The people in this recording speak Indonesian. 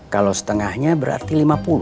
kalau setengahnya berarti lima puluh